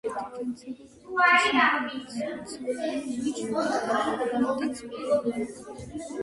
დიფერენცირების პროცესში ნაკლებად სპეციალიზირებული უჯრედი ხდება უფრო მეტად სპეციალიზირებული.